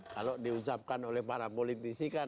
kalau diucapkan oleh para politisi kan